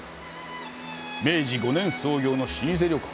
明治５年創業の老舗旅館。